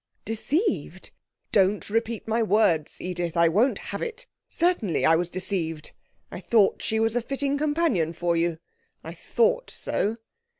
'Deceived?' 'Don't repeat my words, Edith. I won't have it! Certainly I was deceived. I thought she was a fitting companion for you I thought so.'